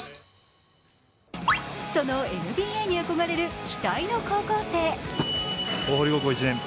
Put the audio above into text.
そのＮＢＡに憧れる期待の高校生。